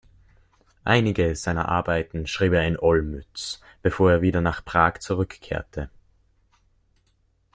Einige seiner Arbeiten schrieb er in Olmütz, bevor er wieder nach Prag zurückkehrte.